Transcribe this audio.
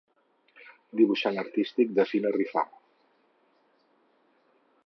Dibuixant artístic de Fina Rifà.